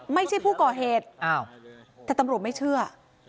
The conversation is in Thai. ไม่ใช่ผู้ก่อเหตุแต่ตำรวจไม่เชื่อ